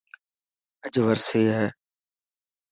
اڄ ورسي هي.